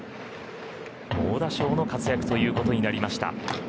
猛打賞の活躍ということになりました。